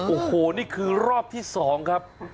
โอ้โหนี่คือรอบที่๒ครับ